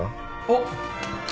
あっ。